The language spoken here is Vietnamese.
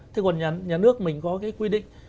thế còn nhà nước mình có cái quy định